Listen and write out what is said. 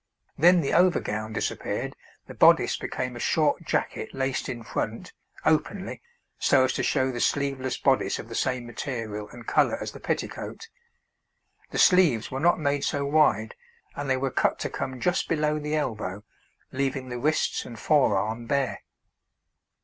Then the over gown disappeared, the bodice became a short jacket laced in front, openly, so as to show the sleeveless bodice of the same material and colour as the petticoat; the sleeves were not made so wide, and they were cut to come just below the elbow, leaving the wrists and forearm bare.